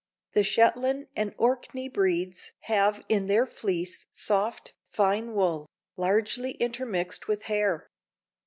The Shetland and Orkney breeds have in their fleece soft, fine wool, largely intermixed with hair.